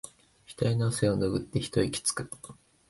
ひたいの汗をぬぐって一息つく